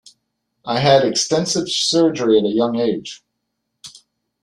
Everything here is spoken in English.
I had extensive surgery at a young age.